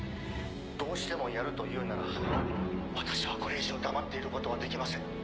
どうしてもやるというなら私はこれ以上黙っていることはできません。